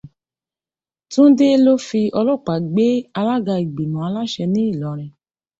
Túndé ló fi ọlọ́pàá gbé Alága Ìgbìmọ̀ aláṣẹ ní Ìlọrin.